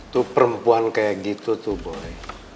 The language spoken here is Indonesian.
tuh perempuan kayak gitu tuh boy